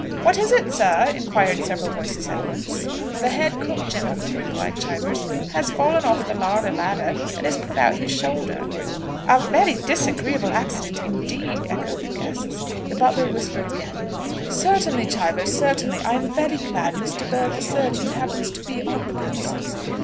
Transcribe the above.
"What is it, sir?" inquired several voices at once. "The head cook, gentlemen," replied Chivers, "has fallen off the larder ladder, and has put out his shoulder." "A very disagreeable accident indeed," echoed the guests. The butler whispered again. "Certainly, Chivers, certainly. I am very glad Mr. Bird the surgeon happens to be on the premises.